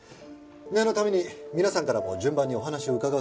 念のために皆さんからも順番にお話を伺わせてください。